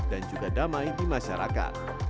dan juga damai di masyarakat